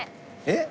えっ？